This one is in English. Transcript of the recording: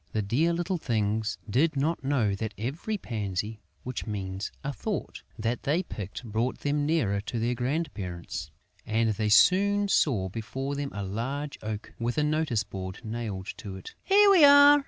The dear little things did not know that every pansy (which means "a thought") that they picked brought them nearer to their grandparents; and they soon saw before them a large oak with a notice board nailed to it. "Here we are!"